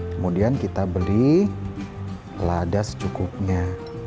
kemudian kita beri lada secukupnya